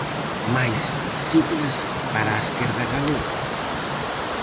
Máis siglas para a esquerda galega?